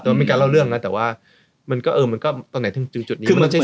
แต่ว่าตอนไหนถึงจุดนี้มันต้องใช้เสียงอะไร